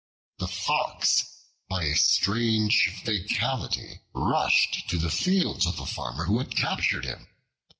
The Fox by a strange fatality rushed to the fields of the Farmer who had captured him.